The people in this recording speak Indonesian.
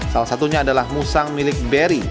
salah satunya adalah musang milik beri